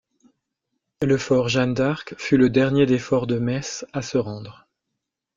Le fort Jeanne-d’Arc fut le dernier des forts de Metz à se rendre.